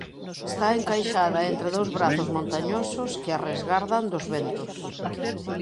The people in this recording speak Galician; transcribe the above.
Está encaixada entre dous brazos montañosos que a resgardan dos ventos.